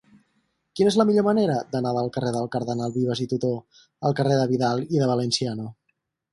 Quina és la millor manera d'anar del carrer del Cardenal Vives i Tutó al carrer de Vidal i de Valenciano?